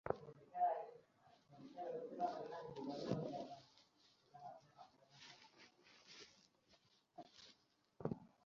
সেখানে সাংবাদিকসহ বিভিন্ন শ্রেণি-পেশার মানুষ মরহুমের প্রতি শেষ শ্রদ্ধা নিবেদন করেন।